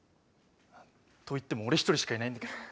といっても俺一人しかいないんだけどね。